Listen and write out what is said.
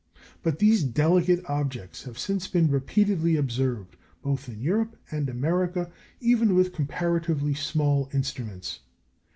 Both these delicate objects have since been repeatedly observed, both in Europe and America, even with comparatively small instruments.